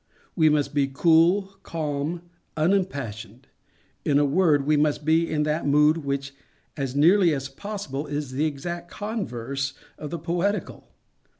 We must be cool, calm, unimpassioned. In a word, we must be in that mood which, as nearly as possible, is the exact converse of the poetical.